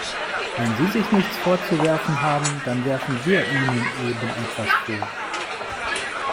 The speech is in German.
Wenn Sie sich nichts vorzuwerfen haben, dann werfen wir Ihnen eben etwas vor.